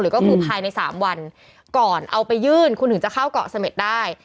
ก็คือภายใน๓วันก่อนเอาไปยื่นคุณถึงจะเข้าเกาะเสม็ดได้